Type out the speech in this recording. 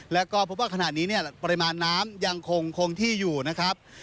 แล้วก็พบว่าขณะนี้เนี่ยปริมาณน้ำยังคงที่อยู่นะครับ